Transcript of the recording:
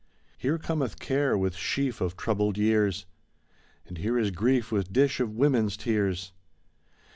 Here cometh Care with sheaf of troubled years, And here is Grief with dish of women's tears.